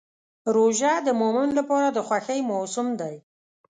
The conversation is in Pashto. روژه د مؤمن لپاره د خوښۍ موسم دی.